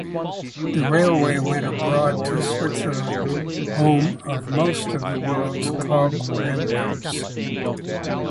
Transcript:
The railway went abroad, to Switzerland, home of most of the world's cog railways.